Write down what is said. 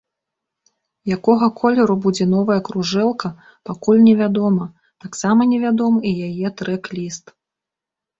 Якога колеру будзе новая кружэлка, пакуль не вядома, таксама невядомы і яе трэк-ліст.